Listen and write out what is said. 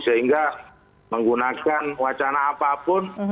sehingga menggunakan wacana apapun